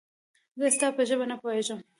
زه ستا په ژبه نه پوهېږم